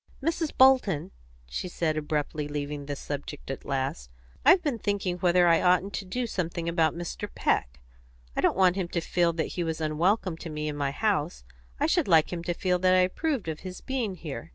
"Mrs. Bolton," she said, abruptly leaving the subject at last, "I've been thinking whether I oughtn't to do something about Mr. Peck. I don't want him to feel that he was unwelcome to me in my house; I should like him to feel that I approved of his having been here."